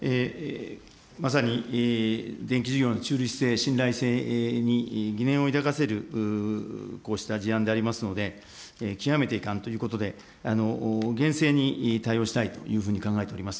まさに電気事業の中立性、信頼性に疑念を抱かせるこうした事案でありますので、極めて遺憾ということで、厳正に対応したいというふうに考えております。